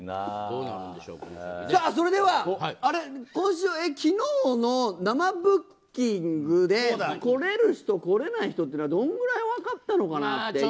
さあ、それでは昨日の生ブッキングで来れる人、来れない人というのはどのくらい分かったのかなって。